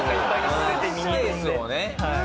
スペースをね。